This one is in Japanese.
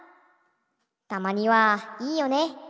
たまにはいいよね。